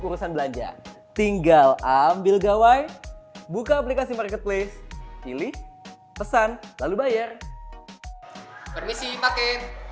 urusan belanja tinggal ambil gawai buka aplikasi marketplace pilih pesan lalu bayar permisi pakai